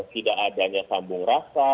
tidak adanya sambung rasa